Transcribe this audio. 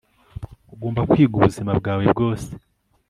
ugomba kwiga ubuzima bwawe bwose